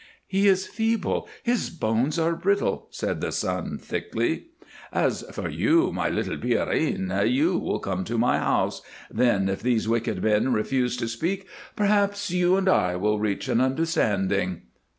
"He is feeble; his bones are brittle," said the son, thickly. "As for you, my little Pierrine, you will come to my house; then, if these wicked men refuse to speak, perhaps you and I will reach an understanding."